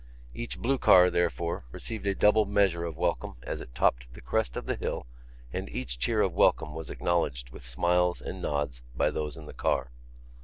Each blue car, therefore, received a double measure of welcome as it topped the crest of the hill and each cheer of welcome was acknowledged with smiles and nods by those in the car.